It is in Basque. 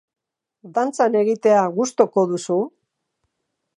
Dantzan egitea gustuko duzu?